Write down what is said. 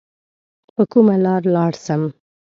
په کومه لار لاړ سم؟